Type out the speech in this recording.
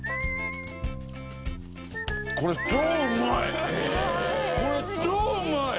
これ超うまい！